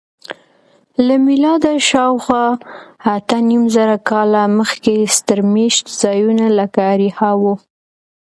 له میلاده شاوخوا اتهنیمزره کاله مخکې ستر میشت ځایونه لکه اریحا وو.